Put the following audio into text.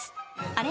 あれ？